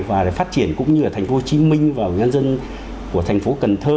và phát triển cũng như ở thành phố hồ chí minh và người dân dân của thành phố cần thơ